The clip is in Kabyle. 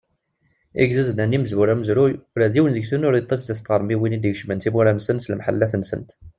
Igduden-a n imezwura umezruy, ula d yiwen deg-sen ur yeṭṭif sdat tɣermiwin i d-ikecmen timura-nsen s lemḥellat-nsent!